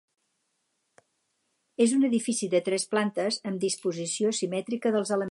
És un edifici de tres plantes amb disposició simètrica dels elements.